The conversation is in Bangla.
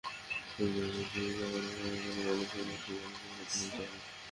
যেহেতু প্রজাতন্ত্রের সকল ক্ষমতার মালিক জনগণ, তাই রাষ্ট্রকে জনগণের কথা শুনতে হবে।